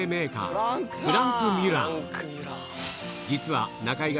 実は